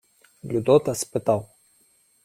Людота спитав: